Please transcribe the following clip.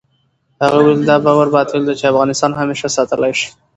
هغه وویل، دا باور باطل دی چې افغانستان همېشه ساتلای شي.